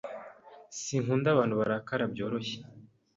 Sinkunda abantu barakara byoroshye.